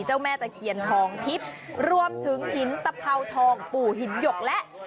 แม่ตะเคียนทองทิพย์รวมถึงหินตะเภาทองปู่หินหยกและ